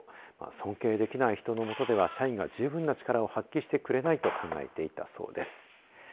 尊敬できない人の下では社員が十分な力を発揮してくれないと考えていたそうです。